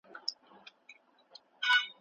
څارنه د ماشوم د چلند سمون راولي.